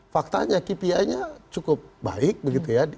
faktanya kpi nya cukup baik begitu ya